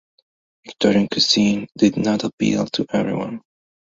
Victorian cuisine did not appeal to everyone.